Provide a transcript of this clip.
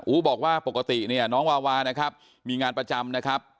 บอกว่าปกติเนี่ยน้องวาวานะครับมีงานประจำนะครับ